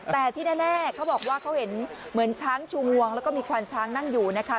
แต่ที่แน่เขาบอกว่าเขาเห็นเหมือนช้างชูงวงแล้วก็มีควานช้างนั่งอยู่นะคะ